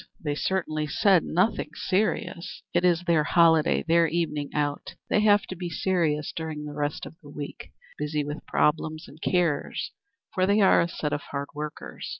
They certainly said nothing serious." "It is their holiday their evening out. They have to be serious during the rest of the week busy with problems and cares, for they are a set of hard workers.